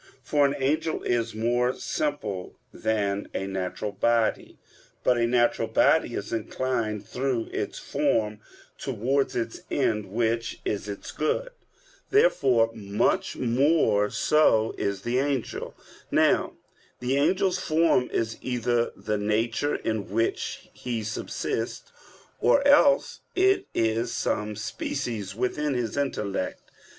For an angel is more simple than a natural body. But a natural body is inclined through its form towards its end, which is its good. Therefore much more so is the angel. Now the angel's form is either the nature in which he subsists, or else it is some species within his intellect.